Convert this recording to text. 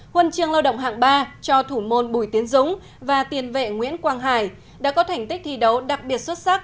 huân chương lao động hạng ba cho thủ môn bùi tiến dũng và tiền vệ nguyễn quang hải đã có thành tích thi đấu đặc biệt xuất sắc